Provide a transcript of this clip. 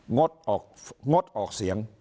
งดออกเสียง